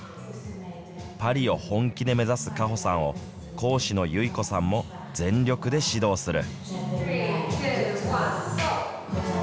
パリを本気で目指す果歩さんを、講師の結子さんも全力で指導する。